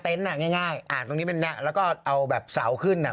เท็นต์อ่ะง่ายง่ายอ่าตรงนี้เป็นแล้วแล้วก็เอาแบบเสาขึ้นอ่ะ